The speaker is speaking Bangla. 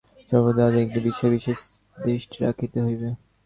সর্বোপরি আমাদিগকে একটি বিষয়ে বিশেষ দৃষ্টি রাখিতে হইবে।